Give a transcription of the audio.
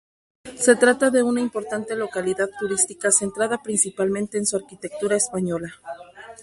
Se trata de una importante localidad turística, centrada principalmente en su arquitectura española.